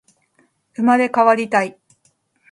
生まれ変わりたい